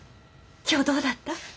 今日どうだった？